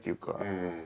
うん。